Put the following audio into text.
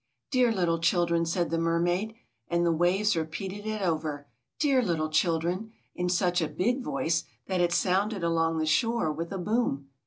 "Dear little children!" said the mermaid. And the waves repeated it over: "Dear little children!" in such a big voice that it sounded along the shore with a boom.